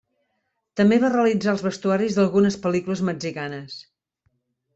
També va realitzar els vestuaris d'algunes pel·lícules mexicanes.